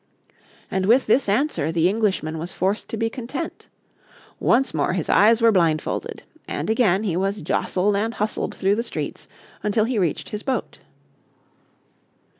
And with this answer the Englishman was forced to be content. Once more his eyes were blindfolded, and again he was jostled and hustled through the streets until he reached his boat.